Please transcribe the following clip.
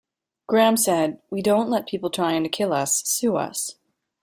Graham said, We don't let people trying to kill us sue us.